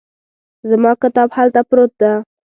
زما کتاب هلته پروت ده